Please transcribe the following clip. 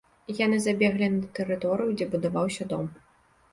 Яны забеглі на тэрыторыю, дзе будаваўся дом.